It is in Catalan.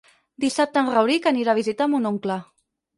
Dissabte en Rauric anirà a visitar mon oncle.